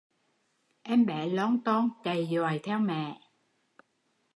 Em bé lon ton chạy dọi theo mẹ